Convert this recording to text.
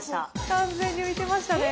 完璧に浮いてましたね。